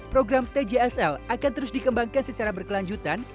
program tjsl akan terus dikembangkan secara berkelanjutan